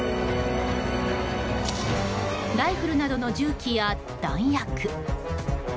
ライフルなどの銃器や弾薬。